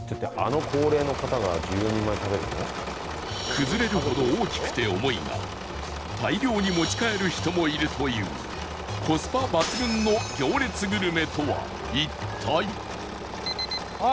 崩れるほど大きくて重いが大量に持ち帰る人もいるというコスパ抜群の行列グルメとは一体